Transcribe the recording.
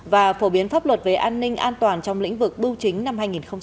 và phổ biến pháp luật về an ninh an toàn trong lĩnh vực bưu chính năm hai nghìn hai mươi